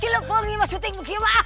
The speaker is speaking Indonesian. cilup penggima syuting penggima